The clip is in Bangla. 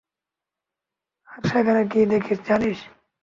আর সেখানে কী দেখি, জানিস?